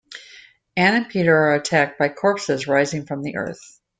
Anne and Peter are attacked by corpses rising from the earth.